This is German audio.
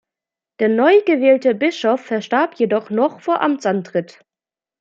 Der neu gewählte Bischof verstarb jedoch noch vor Amtsantritt.